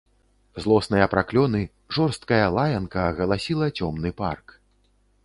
Злосныя праклёны, жорсткая лаянка агаласіла цёмны парк.